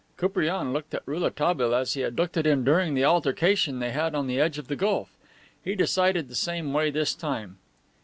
Koupriane looked at Rouletabille as he had looked at him during the altercation they had on the edge of the Gulf. He decided the same way this time.